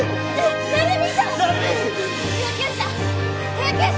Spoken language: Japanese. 救急車！